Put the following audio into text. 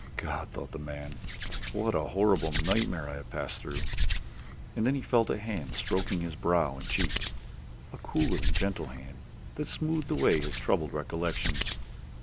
"God," thought the man, "what a horrible nightmare I have passed through!" and then he felt a hand stroking his brow and cheek a cool and gentle hand that smoothed away his troubled recollections.